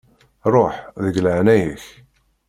Ruḥ, deg leɛnaya-k.